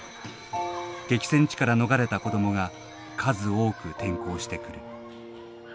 激戦地から逃れた子どもが数多く転校してくる。